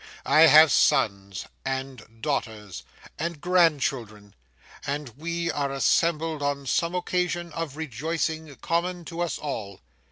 I have sons, and daughters, and grandchildren, and we are assembled on some occasion of rejoicing common to us all.